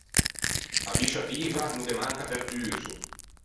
À biscia viva no ghe manca pertuso.